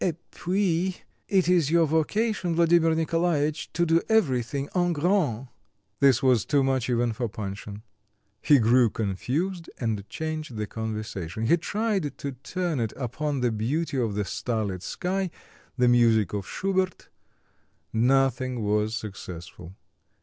et puis, it is your vocation, Vladimir Nikolaich, to do everything en grand." This was too much even for Panshin: he grew confused and changed the conversation. He tried to turn it upon the beauty of the starlit sky, the music of Schubert; nothing was successful.